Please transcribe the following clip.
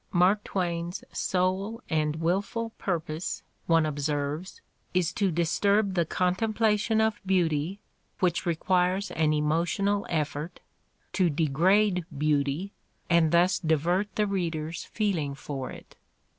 Mark Twain's sole and wilful purpose, one observes, is to disturb the Mark Twain's Humor 215 contemplation of beauty, which requires an emotional effort, to degrade beauty and thus divert the reader's feeling for it.